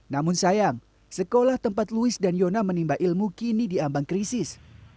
namun sayang sekolah tempat louis dan yona menimba ilmu kini diambang krisis